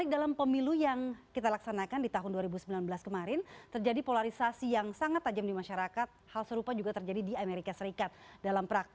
demokrasi itu langsung contohnya amerika